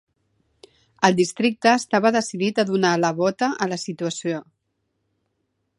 El districte estava decidit a donar la vota a la situació.